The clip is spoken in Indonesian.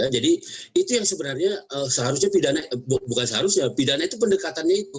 jadi itu yang sebenarnya seharusnya pidana bukan seharusnya pidana itu pendekatannya itu